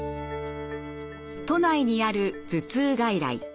都内にある頭痛外来。